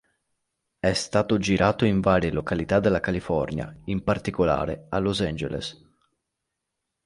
È stato girato in varie località della California, in particolare a Los Angeles.